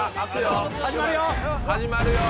始まるよ！